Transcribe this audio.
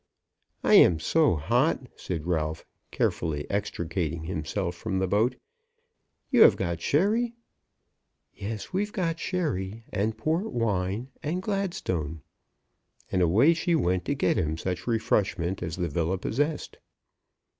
"I am so hot," said Ralph, carefully extricating himself from the boat. "You have got sherry?" "Yes, we've got sherry, and port wine, and Gladstone;" and away she went to get him such refreshment as the villa possessed.